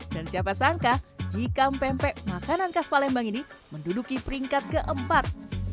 dan siapa sangka jika pempek makanan khas palembang ini menduduki peringkat keempat